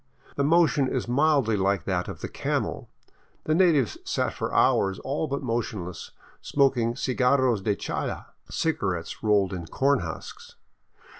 The motion is mildly like that of the camel. The natives sat for hours all but motionless, smoking cigarros de chala, cigarettes rolled in corn husks.